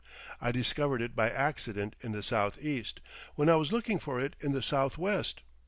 I discovered it by accident in the southeast, when I was looking for it in the southwest.